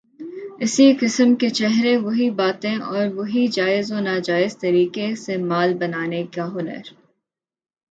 اسی قسم کے چہرے، وہی باتیں اور وہی جائز و ناجائز طریقے سے مال بنانے کا ہنر۔